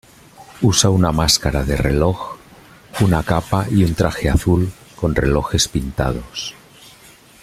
Usa una máscara de reloj, una capa y un traje azul con relojes pintados.